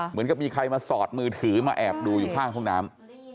เหมือนกับมีใครมาสอดมือถือมาแอบดูอยู่ข้างห้องน้ำ